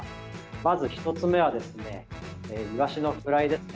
まず１つ目はイワシのフライですね。